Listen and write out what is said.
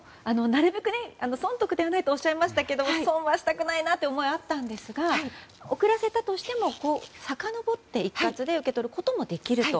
なるべく損得ではないとおっしゃいましたが損はしたくないなという思いがあったんですが遅らせたとしてもさかのぼって一括で受け取ることもできると。